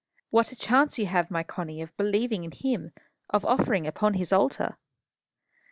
What a chance you have, my Connie, of believing in him, of offering upon his altar!"